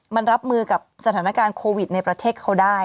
มันรับมือกับสถานการณ์โควิดในประเทศเขาได้